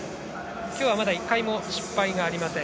今日はまだ１回も失敗がありません。